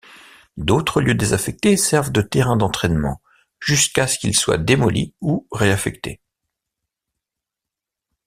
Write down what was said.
D'autres lieux désaffectés servent de terrain d'entraînement jusqu'à ce qu'ils soient démolis ou réaffectés.